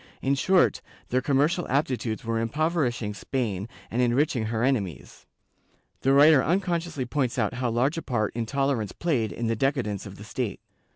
^ In short, their commercial aptitudes were impoverishing Spain and enriching her enemies. The writer unconsciously points out how large a part intolerance played in the decadence of the state.